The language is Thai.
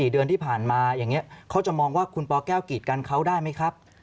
๔เดือนที่ผ่านมาอย่างนี้เขาจะมองว่าคุณปแก้วกีดกันเขาได้ไหมครับ